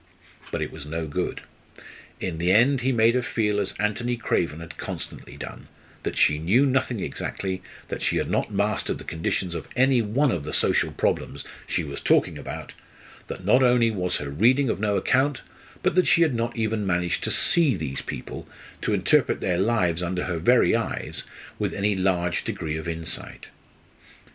But it was no good. In the end he made her feel as Antony Craven had constantly done that she knew nothing exactly, that she had not mastered the conditions of any one of the social problems she was talking about; that not only was her reading of no account, but that she had not even managed to see these people, to interpret their lives under her very eyes, with any large degree of insight.